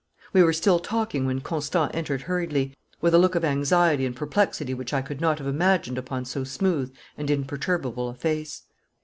We were still talking when Constant entered hurriedly, with a look of anxiety and perplexity which I could not have imagined upon so smooth and imperturbable a face.